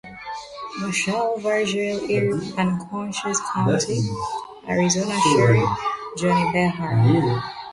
Marshal Virgil Earp and Cochise County, Arizona Sheriff Johnny Behan.